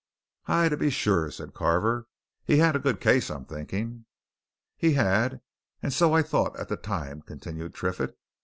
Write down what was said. "Aye, to be sure," said Carver. "He'd a good case, I'm thinking." "He had and so I thought at the time," continued Triffitt.